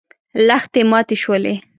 لښتې ماتې شولې.